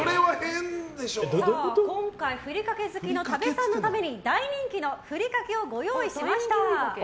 今回、ふりかけ好きの多部さんのために大人気のふりかけをご用意しました！